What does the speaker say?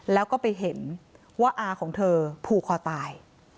แล้วก็ไปเห็นว่าอาของเธอผูกคอตาย